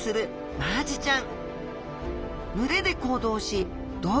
マアジちゃん